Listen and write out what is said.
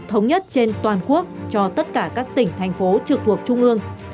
thống nhất trên toàn quốc cho tất cả các tỉnh thành phố trực thuộc trung ương